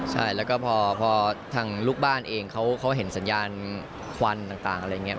ใช่แล้วก็พอทางลูกบ้านเองเขาเห็นสัญญาณควันต่างอะไรอย่างนี้